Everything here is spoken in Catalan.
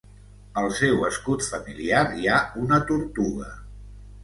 Al seu escut familiar hi ha una tortuga.